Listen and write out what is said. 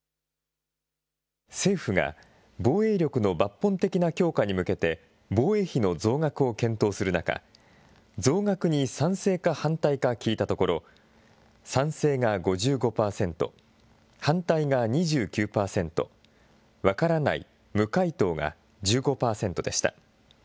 政府が防衛力の抜本的な強化に向けて、防衛費の増額を検討する中、増額に賛成か反対か聞いたところ、賛成が５５％、反対が２９％、わからない、無回答が１５％でした。